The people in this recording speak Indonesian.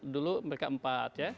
dulu mereka empat ya